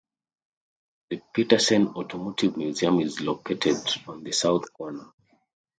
The Petersen Automotive Museum is located on the south corner.